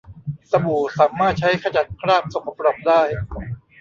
สบู่สามารถใช้ขจัดคราบสกปรกได้